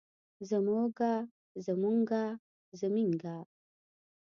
زمونږه زمونګه زمينګه